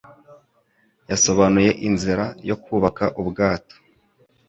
Yasobanuye inzira yo kubaka ubwato.